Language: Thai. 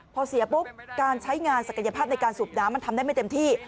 พอเสียปุ๊บการใช้งานศักยภาพในการสูบน้ำมันทำได้ไม่เต็มที่